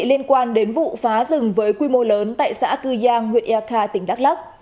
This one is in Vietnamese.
liên quan đến vụ phá rừng với quy mô lớn tại xã cư giang huyện erka tỉnh đắk lắk